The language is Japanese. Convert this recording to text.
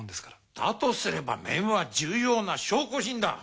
だとすれば面は重要な証拠品だ。